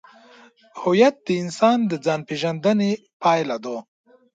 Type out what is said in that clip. هویت د انسان د ځانپېژندنې پایله ده.